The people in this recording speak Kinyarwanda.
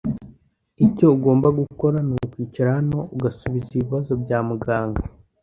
Icyo ugomba gukora nukwicara hano ugasubiza ibibazo bya muganga.